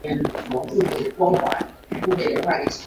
然而这五间小学仍然不能满足当地逐年增加的华裔人口。